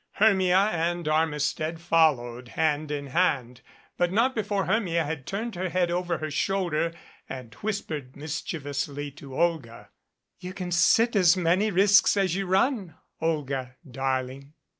Hermia and Armistead followed hand in hand, but not before Hermia had turned her head over her shoulder and whispered mischievously to Olga: 82 OUT OF HIS DEPTH "You can sit as many risks as you run, Olga, dar ling."